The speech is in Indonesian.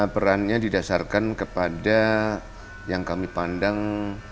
perannya didasarkan kepada yang kami pandang